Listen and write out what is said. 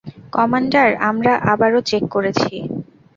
Commander, আমরা আবারও check করেছি।